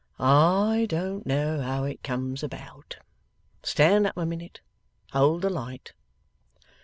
'I don't know how it comes about. Stand up a minute. Hold the light.